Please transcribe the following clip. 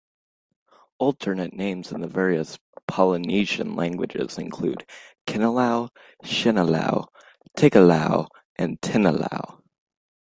Alternate names in the various Polynesian languages include Kinilau, Sinilau, Tigilau, and Tinilau.